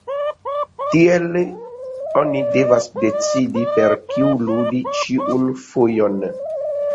Tiele oni devas decidi per kiu ludi ĉiun fojon.